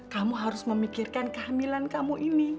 kamu harus memikirkan kehamilan kamu ini